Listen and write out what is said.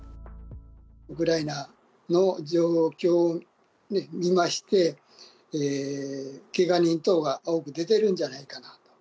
ウクライナの状況見まして、けが人等が多く出てるんじゃないかな。